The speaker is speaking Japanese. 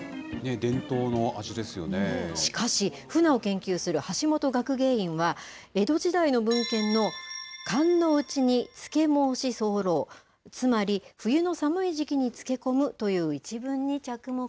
しかし、ふなを研究する橋本学芸員は、江戸時代の文献の、寒の内に漬け申し候、つまり、冬の寒い時期に漬け込むという一文に着目。